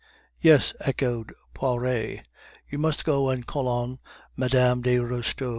"Yes," echoed Poiret; "you must go and call on Mme. de Restaud."